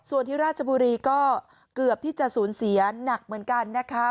ส่วนที่ราชบุรีก็เกือบที่จะสูญเสียหนักเหมือนกันนะคะ